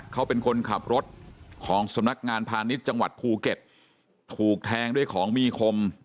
เขาเป็นคนขับรถของสำนักงานพาณิชย์จังหวัดภูเก็ตถูกแทงด้วยของมีคม